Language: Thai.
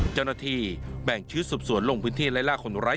เจ้าหน้าที่แบ่งชุดสืบสวนลงพื้นที่ไล่ล่าคนร้าย